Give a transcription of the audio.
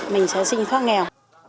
mình sẽ sinh thoát nghèo